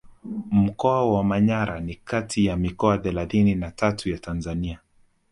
Mkoa wa Manyara ni kati ya mikoa thelathini na tatu ya Tanzania